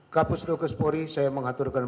kp sdk spori saya mengaturkan